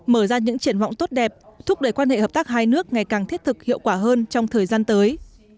mở ra những triển vọng tốt đẹp thúc đẩy quan hệ hợp tác hai nước ngày càng thiết thực hiệu quả hơn trong thời gian tới